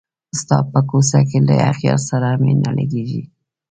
ستا په کوڅه کي له اغیار سره مي نه لګیږي